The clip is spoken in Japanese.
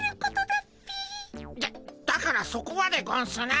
だっだからそこはでゴンスな。